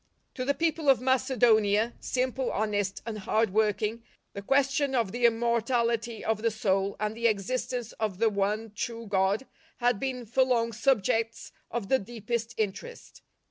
f : To the people of Macedonia, simple, honest, and hard working, the question of the immor tality of the soul and the existence of the one true God had been for long subjects of the deepest interest.